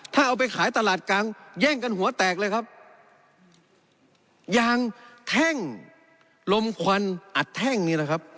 ถ้าเอาไปขายตลาดกลางแย่งกันหัวแตกเลยครับยางแท่งลมควันอัดแท่งนี่แหละครับ